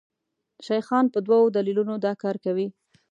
شیخان په دوو دلیلونو دا کار کوي.